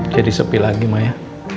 jadi sepi lagi mbak ya